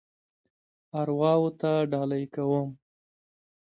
ارواوو ته ډالۍ کوم.